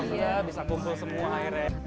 bisa bisa kumpul semua airnya